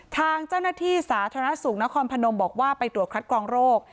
ทางเจ้าหน้าที่สาธารณสุขนครพนมบอกว่าไปตรวจคัดกรองโรค